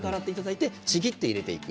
ちぎって入れていく。